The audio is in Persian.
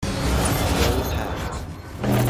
جای پرت